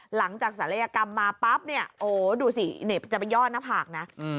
หลังจากศัลยกรรมมาปั๊บเนี่ยโอ้ดูสิจะไปยอดหน้าผากนะ